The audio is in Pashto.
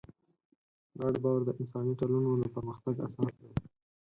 ګډ باور د انساني ټولنو د پرمختګ اساس دی.